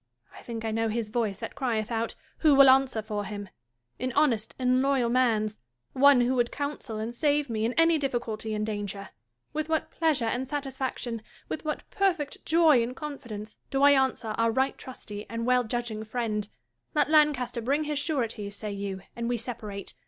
Joanna. I think I know his voice that crieth out, " Who will answer for him %" An honest and loyal man's, one 8o IMA GIN A R V CON VERS A TIONS. who would counsel and save me in any difficulty and danger. With what pleasure and satisfaction, with what perfect joy and confidence, do I answer our right trusty and weil judging friend !" Let Lancaster bring his sureties," say you, " and we separate."